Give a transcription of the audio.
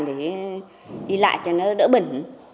để đi lại cho nó đỡ bẩn